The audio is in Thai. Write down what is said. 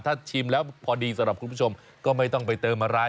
ถ้าชิมแล้วพอดีสำหรับคุณผู้ชมก็ไม่ต้องไปเติมอะไร